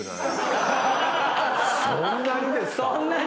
そんなにですか⁉